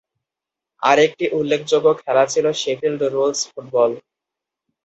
আরেকটি উল্লেখযোগ্য খেলা ছিল শেফিল্ড রুলস ফুটবল।